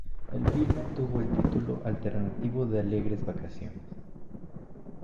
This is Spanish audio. El filme tuvo el título alternativo de Alegres vacaciones.